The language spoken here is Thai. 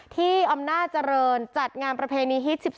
ที่อำนาจเจริญจัดงานประเพณีฮิต๑๒